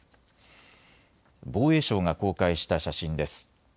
防衛省が公開した写真です。